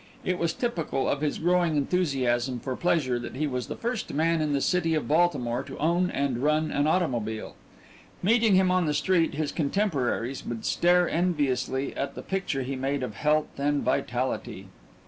It was typical of his growing enthusiasm for pleasure that he was the first man in the city of Baltimore to own and run an automobile. Meeting him on the street, his contemporaries would stare enviously at the picture he made of health and vitality.